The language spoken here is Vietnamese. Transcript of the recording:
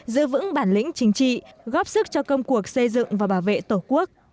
giữ vững bản lĩnh chính trị góp sức cho công cuộc xây dựng và bảo vệ tổ quốc